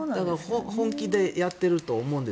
本気でやっていると思うんです。